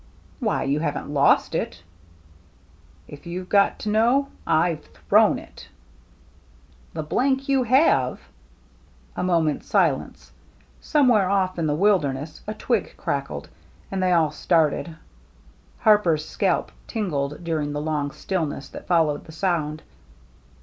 " Why, you haven't lost it ?"" If you've got to know, I've thrown it." " The you have !" A moment's silence. Somewhere oflF in the wilderness a twig crackled, and they all started. Harper's scalp tingled during the long stillness that followed the sound.